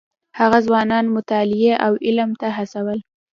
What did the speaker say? هغه ځوانان مطالعې او علم ته هڅول.